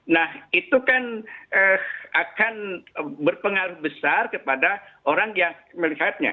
nah itu kan akan berpengaruh besar kepada orang yang melihatnya